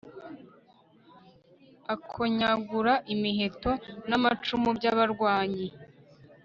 akonyagura imiheto n'amacumu by'abarwanyi